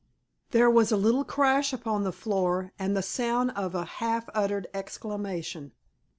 There was a little crash upon the floor, and the sound of a half uttered exclamation.